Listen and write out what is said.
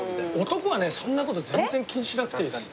男はねそんな事全然気にしなくていいです。